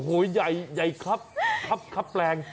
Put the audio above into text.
โอ้ยใหญ่ครับครับแรง